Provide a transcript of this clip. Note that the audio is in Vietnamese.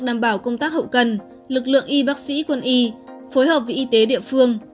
đảm bảo công tác hậu cần lực lượng y bác sĩ quân y phối hợp với y tế địa phương